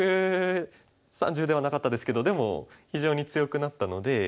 １３０ではなかったですけどでも非常に強くなったので。